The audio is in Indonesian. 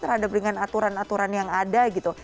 terhadap dengan aturan aturan yang ada gitu